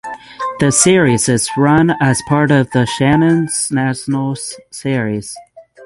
The series is run as part of the Shannons Nationals series.